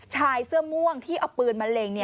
ชายเสื้อม่วงที่เอาปืนมาเล็ง